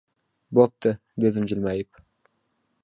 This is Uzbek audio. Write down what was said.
— Bo‘pti, — dedim jilmayib.